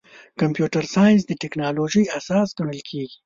کمپیوټر ساینس د ټکنالوژۍ اساس ګڼل کېږي.